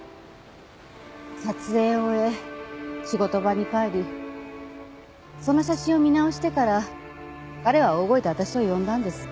撮影を終え仕事場に帰りその写真を見直してから彼は大声で私を呼んだんです。